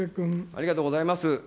ありがとうございます。